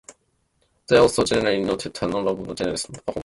They also generally noted a number of bugs and generally slow performance.